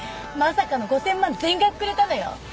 まさかの５，０００万全額くれたのよ。